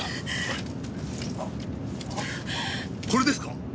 これですか？